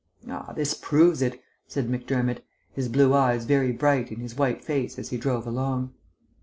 "Ah, this proves it," said Macdermott, his blue eyes very bright in his white face as he drove along.